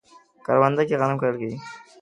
کرونده کې غنم کرل کیږي